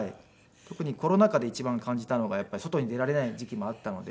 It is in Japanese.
特にコロナ禍で一番感じたのがやっぱり外に出られない時期もあったので。